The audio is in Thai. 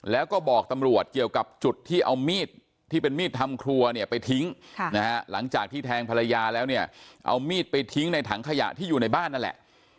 แล้วก็บอกตำรวจเกี่ยวกับจุดที่เอามีดที่เป็นมีดทำครัวเนี่ยไปทิ้งหลังจากที่แทงภรรยาแล้วเนี่ยเอามีดไปทิ้งในถังขยะที่อยู่ในบ้านนั่นแหละ